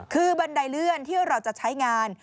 คือบันไดเลื่อนที่เราจะใช้งาน